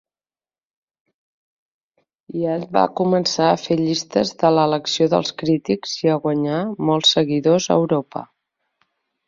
Hiatt va començar a fer llistes de "l'elecció dels crítics" i a guanyar molts seguidors a Europa.